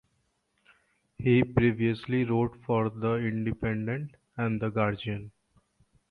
He previously wrote for "The Independent" and "The Guardian.